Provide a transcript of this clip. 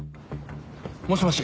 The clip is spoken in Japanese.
もしもし。